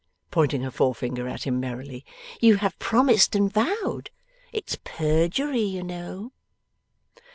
pointing her forefinger at him, merrily. 'You have promised and vowed. It's perjury, you know.